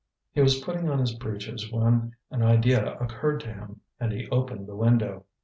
He was putting on his breeches when an idea occurred to him, and he opened the window.